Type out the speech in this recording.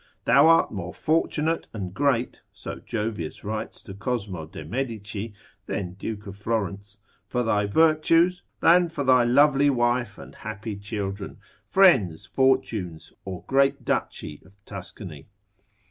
Thou art more fortunate and great (so Jovius writes to Cosmo de Medici, then Duke of Florence) for thy virtues, than for thy lovely wife, and happy children, friends, fortunes, or great duchy of Tuscany.